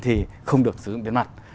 thì không được sử dụng đến mặt